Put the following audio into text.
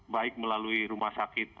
baik melalui rumah sakit